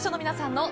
皆さん。